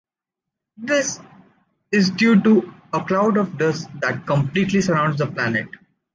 This is due to a cloud of dust that completely surrounds the planet.